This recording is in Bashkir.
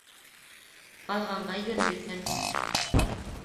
Ҡалғанға йүн бирһен.